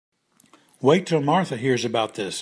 Wait till Martha hears about this.